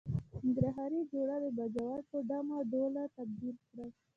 ننګرهار غواړي د باجوړ په ډمه ډوله تبديل کړي.